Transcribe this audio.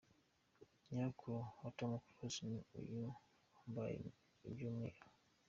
Nyirakuru wa Tom Close ni uyu wambaye iby'umweru.